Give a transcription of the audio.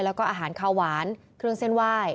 แล้วก็อาหารข้าวหวานเครื่องเส้นไหว้